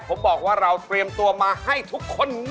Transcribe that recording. ผมบอกว่าเราเตรียมตัวมาให้ทุกคน